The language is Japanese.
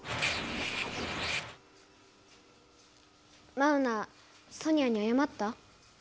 マウナソニアにあやまった？